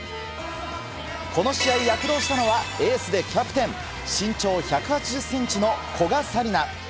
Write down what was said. この試合、躍動したのは、エースでキャプテン、身長１８０センチの古賀紗理那。